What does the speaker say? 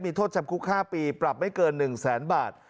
มีโทษจำคุก๕ปีปรับไม่เกิน๑แสนบาท